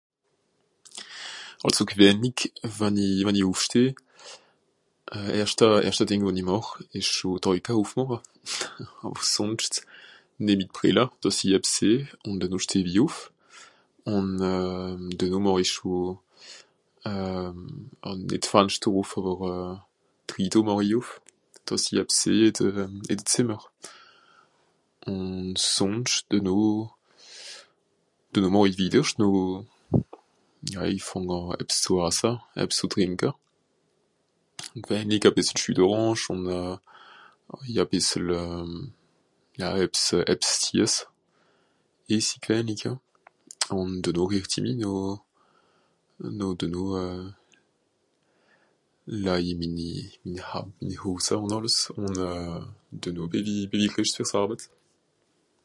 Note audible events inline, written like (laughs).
Àlso gwennlig wann i... wann i ùffsteh (hesitation) erschta... erschta Dìng wo-n-i màch ìsch scho (...) ùffmàcha, (laughs) àwer sùnscht nemm i d'Brilla, dàss i ebbs seh. Ùn dennoh steh-w-i ùff. Ùn (hesitation) dennoh màch ich scho... (hesitation) àn d'Fanschter (...) d'Rideaux màch i ùff, dàss i ebbs seh ì de... ì de Zìmmer. Ùn sùnscht dennoh... dennoh màch i widdersch noh... ja i fàng àn zù ebbs assa, ebbs zù trìnka, gwennlig a bìssel jus d'orange ùn (hesitation) ja bìssele... ja ebbs (hesitation) ebbs sies (...). Ùn dennoh rìcht i mi noh... noh denoh.. laj i minni... minni Ha... Hosa ùn àlles ùn (hesitation) dennoh bì-w-i , bì-w-i (...) fer s'Àrwet.